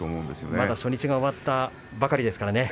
まだ初日終わったばかりですからね。